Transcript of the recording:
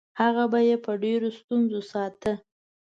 هغه به یې په ډېرو ستونزو ساته.